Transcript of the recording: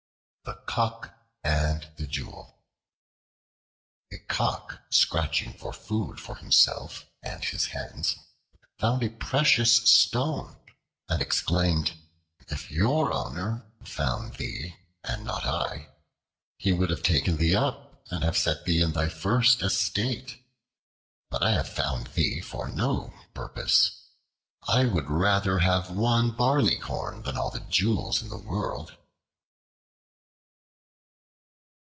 The Cock and the Jewel A COCK, scratching for food for himself and his hens, found a precious stone and exclaimed: "If your owner had found thee, and not I, he would have taken thee up, and have set thee in thy first estate; but I have found thee for no purpose. I would rather have one barleycorn than all the jewels in the world."